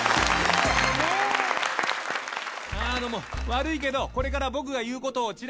「悪いけどこれから僕が言うことを」